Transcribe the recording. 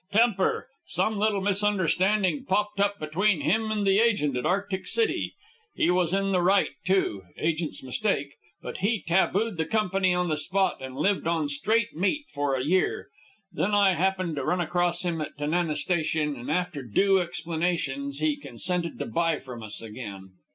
Temper! Some little misunderstanding popped up between him and the agent at Arctic City. He was in the right, too, agent's mistake, but he tabooed the Company on the spot and lived on straight meat for a year. Then I happened to run across him at Tanana Station, and after due explanations he consented to buy from us again."